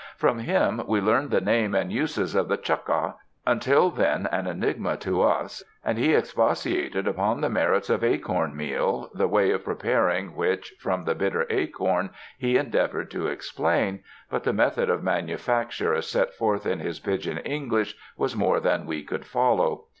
From him we learned the name and uses of the chnck ah, until then an enigma to us, and he ex patiated upon the merits of acorn meal, the way of preparing which from the bitter acorn he endeav ored to explain, but the method of manufacture as set forth in his pigeon English was more than we could follow.